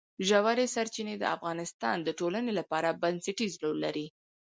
ژورې سرچینې د افغانستان د ټولنې لپاره بنسټيز رول لري.